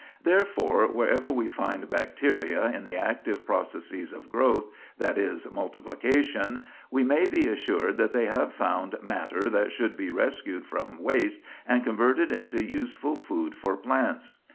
Therefore, wherever we find bacteria in the active processes of growth, that is, multiplication, we may be assured that they have found matter that should be rescued from waste and converted into useful food for plants.